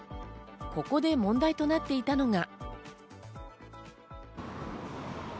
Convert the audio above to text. ここで問題となっていたのが。